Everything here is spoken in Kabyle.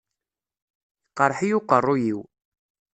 Iqreḥ-iyi uqerruy-iw.